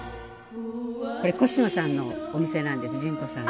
これコシノさんのお店なんですジュンコさんの。